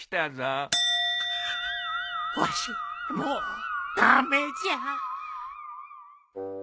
わしもう駄目じゃ。